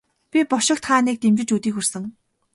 Би бошигт хааныг дэмжиж өдий хүрсэн.